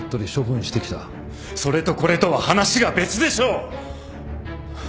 それとこれとは話が別でしょう！